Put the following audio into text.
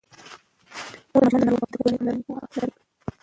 مور د ماشومانو د ناروغۍ په وخت د کورني پاملرنې پوهه لري.